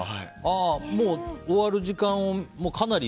終わる時間をかなり。